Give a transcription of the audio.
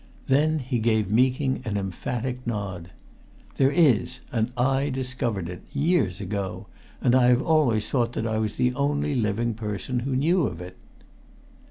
Then he gave Meeking an emphatic nod. "There is! And I discovered it years ago. And I have always thought that I was the only living person who knew of it!"